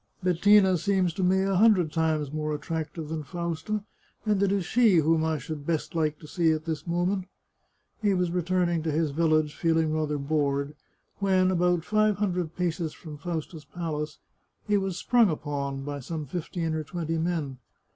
" Bettina seems to me a hundred times more attractive than Fausta, and it is she whom I should best like to see at this moment." He was returning to his village, feeling rather bored, when, about five hundred paces from Fausta's palace, he was sprung upon by some fifteen or twenty men.